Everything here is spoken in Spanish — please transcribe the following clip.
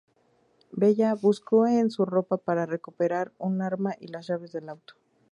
Bella busca en su ropa para recuperar un arma y las llaves del auto.